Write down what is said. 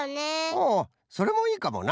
ほうそれもいいかもな。